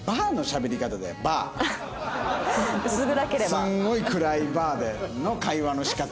すごい暗いバーの会話の仕方。